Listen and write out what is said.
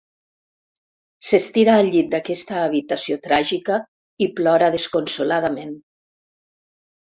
S'estira al llit d'aquesta habitació tràgica i plora desconsoladament.